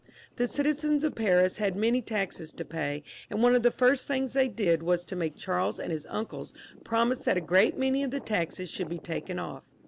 The citizens of Paris had many taxes to pay, and one of the first things they did was to make Charles and his uncles promise that a great many of the taxes should be taken off.